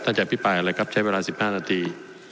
ท่านจะอภิปรายอะไรครับใช้เวลาสิบน้ำนาที